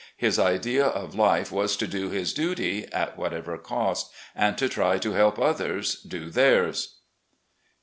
His idea of life was to do his duty, at whatever cost, and to try to help others do theirs.